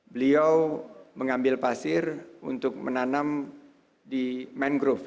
beliau mengambil pasir untuk menanam di mangrove